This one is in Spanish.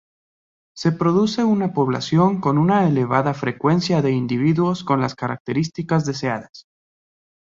Se produce una población con una elevada frecuencia de individuos con las características deseadas.